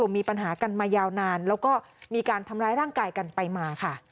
มีปัญหากันมายาวนานแล้วก็มีการทำร้ายร่างกายกันไปมาค่ะ